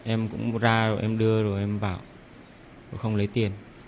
em cũng ra rồi em đưa rồi em vào rồi không lấy tiền